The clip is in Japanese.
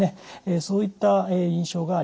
そういった印象があります。